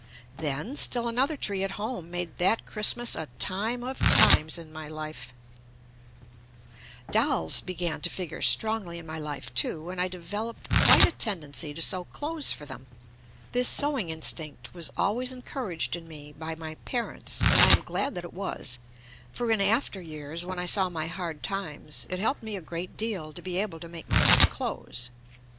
Then still another tree at home made that Christmas a time of times in my life, JUST ME Dolls began to figure strongly in my life too, and I developed quite a tendency to sew clothes for them. This sewing instinct was always encouraged in me by my parents, and I am glad that it was, for in after years when I saw my hard times, it helped me a great deal to be able to make my own clothes.